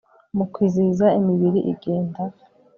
mu kwizihiza, imibiri igenda